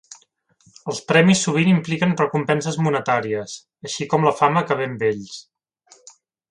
Els premis sovint impliquen recompenses monetàries, així com la fama que ve amb ells.